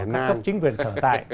các cấp chính quyền sở tại